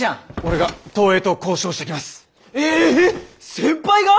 先輩が！？